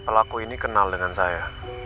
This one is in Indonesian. pelaku ini kenal dengan saya